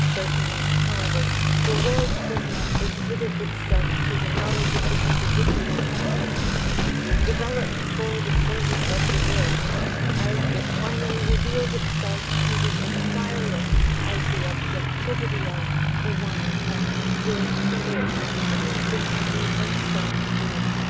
Certainly, however, the world does not exhibit itself to the knowledge of the individual as such, developed for the service of the will, as it finally reveals itself to the inquirer as the objectivity of the one and only will to live, which he himself is.